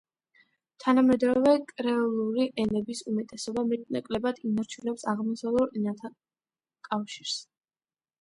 თანამედროვე კრეოლური ენების უმეტესობა მეტ-ნაკლებად ინარჩუნებს ამოსავალ ენასთან კავშირს.